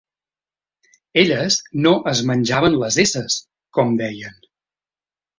Elles no "es menjaven les esses", com deien.